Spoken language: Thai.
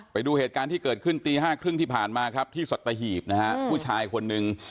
ไปดูเหตุการณ์ที่เกิดขึ้นตี๕๓๐ที่ผ่านมาที่สัตถาฮีบพุทชายคนนึง